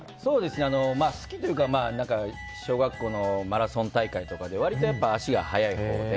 好きというか小学校のマラソン大会とかで割と足が速いほうで。